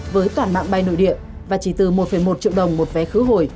với toàn mạng bay nội địa và chỉ từ một một triệu đồng một vé khứ hồi